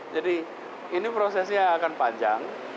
jadi ini prosesnya akan panjang